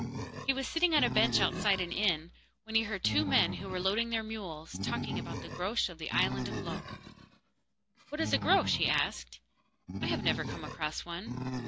He was sitting on a bench outside an inn, when he heard two men who were loading their mules talking about the Groac'h of the island of Lok. 'What is a Groac'h?' asked he. 'I have never come across one.